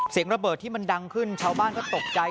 เสียงระเบิดที่มันดังขึ้นชาวบ้านก็ตกใจ